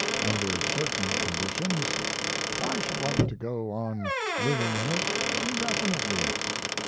Under certain conditions I should like to go on living in it indefinitely.